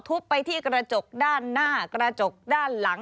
ไปที่กระจกด้านหน้ากระจกด้านหลัง